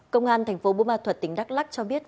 công an tp bú ma thuật tỉnh đắk lắc cho biết